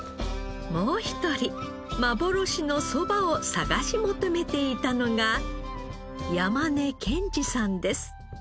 もう一人幻のそばを探し求めていたのが山根健司さんです。